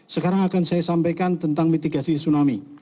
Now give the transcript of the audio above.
sekarang akan saya sampaikan tentang mitigasi tsunami